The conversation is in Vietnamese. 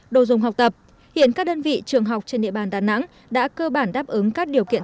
đồ dùng học tập hiện các đơn vị trường học trên địa bàn đà nẵng đã cơ bản đáp ứng các điều kiện